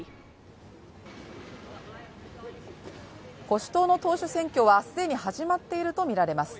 保守党の党首選挙は既に始まっているとみられます。